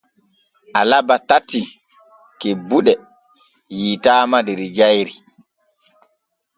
Alabe tati kebude yiitaama der jayri.